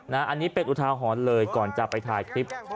อันนี้เป็นอุทาหรณ์เลยก่อนจะไปถ่ายคลิป